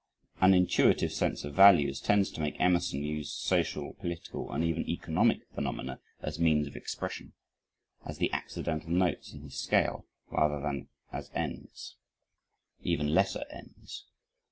An intuitive sense of values, tends to make Emerson use social, political, and even economic phenomena, as means of expression, as the accidental notes in his scale rather than as ends, even lesser ends.